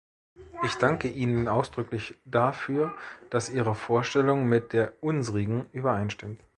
Ich danke Ihnen ausdrücklich dafür, dass Ihre Vorstellung mit der unsrigen überstimmt.